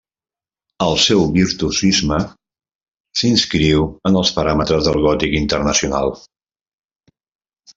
El seu virtuosisme s'inscriu en els paràmetres del gòtic internacional.